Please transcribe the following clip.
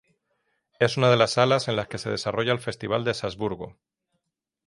Es una de las salas en las que se desarrolla el Festival de Salzburgo.